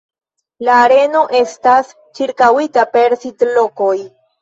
La areno estas ĉirkaŭita per sidlokoj.